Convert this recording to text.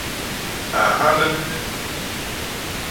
A nhandbe me i ñwemel.